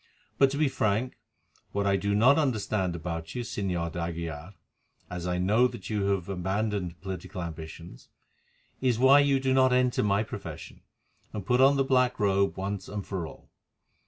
"But to be frank, what I do not understand about you, Señor d'Aguilar, as I know that you have abandoned political ambitions, is why you do not enter my profession, and put on the black robe once and for all.